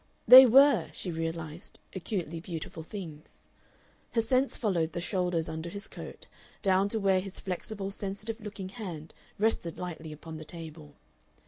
They WERE, she realized, acutely beautiful things. Her sense followed the shoulders under his coat, down to where his flexible, sensitive looking hand rested lightly upon the table.